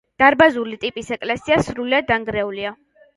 დარბაზული ტიპის ეკლესია სრულიად დანგრეულია.